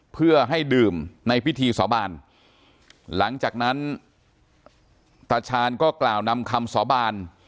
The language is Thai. เพื่อให้ดื่มในพิธีสาบานหลังจากนั้นตาชาญก็กล่าวนำคำสาบาน